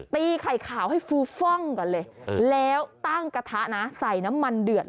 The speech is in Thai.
ตีไข่ขาวให้ฟูฟ่องกันเลยแล้วตั้งกระทะนะ